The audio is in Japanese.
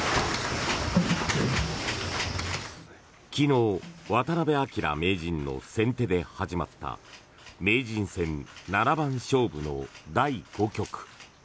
昨日、渡辺明名人の先手で始まった名人戦七番勝負の第５局。